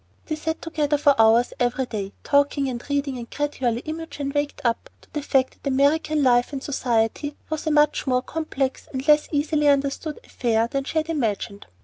They sat together for hours every day, talking, and reading, and gradually Imogen waked up to the fact that American life and society was a much more complex and less easily understood affair than she had imagined.